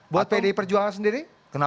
buat pdi perjuangan sendiri